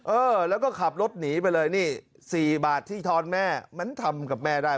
เออแล้วก็ขับรถหนีไปเลยนี่๔บาทที่ทอนแม่มันทำกับแม่ได้